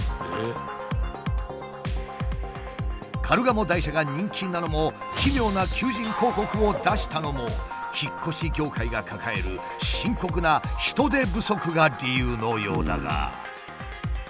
カルガモ台車が人気なのも奇妙な求人広告を出したのも引っ越し業界が抱える深刻な人手不足が理由のようだが。